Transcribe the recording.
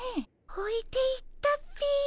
おいていったっピィ。